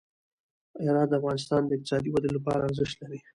هرات د افغانستان د اقتصادي ودې لپاره ارزښت لري.